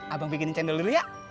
abang bikinin cendol lili ya